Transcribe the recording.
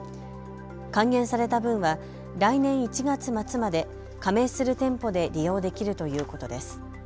還元された分は来年１月末まで加盟する店舗で利用できるということです。